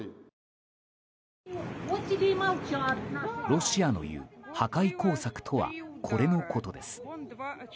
ロシアのいう破壊工作とはこれのことです。